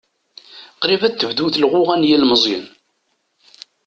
Qrib ad tebdu telɣuɣa n yelmeẓyen.